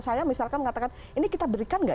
saya misalkan mengatakan ini kita berikan nggak